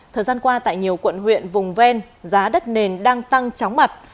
thời gian qua tại nhiều quận huyện vùng ven giá đất nền đang tăng chóng mặt